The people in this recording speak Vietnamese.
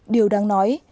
điều đáng nói